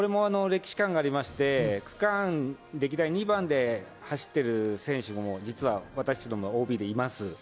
歴史がありまして、区間歴代２番で走っている選手も実は私どものＯＢでいます。